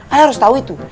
ale harus tau itu